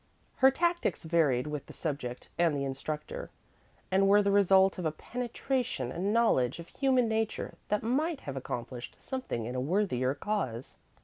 Her tactics varied with the subject and the instructor, and were the result of a penetration and knowledge of human nature that might have accomplished something in a worthier cause.